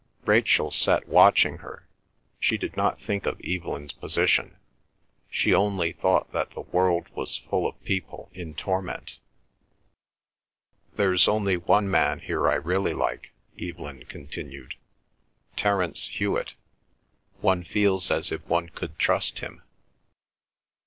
Rachel sat watching her. She did not think of Evelyn's position; she only thought that the world was full of people in torment. "There's only one man here I really like," Evelyn continued; "Terence Hewet. One feels as if one could trust him."